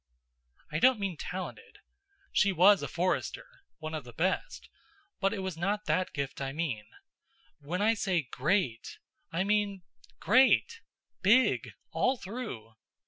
I don't mean talented. She was a forester one of the best but it was not that gift I mean. When I say great, I mean great big, all through.